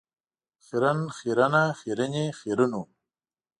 خیرن، خیرنه ،خیرنې ، خیرنو .